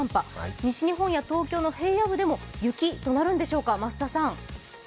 西日本や東京の平野部でも雪となるんでしょうか？